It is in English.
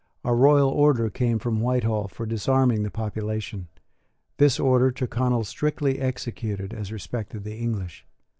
A royal order came from Whitehall for disarming the population. This order Tyrconnel strictly executed as respected the English.